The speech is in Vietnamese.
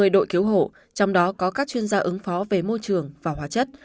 hai mươi đội cứu hộ trong đó có các chuyên gia ứng phó về môi trường và hóa chất